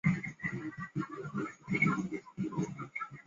此后各位将领守臣皆升赏有别。